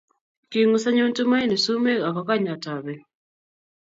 Kingus anyun Tumaini sumek akokanya toben